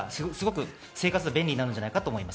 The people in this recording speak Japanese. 生活が便利になるんじゃないかと思います。